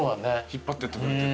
引っ張ってってくれてという。